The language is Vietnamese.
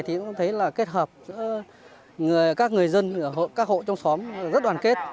tôi thấy kết hợp giữa các người dân các hộ trong xóm rất đoàn kết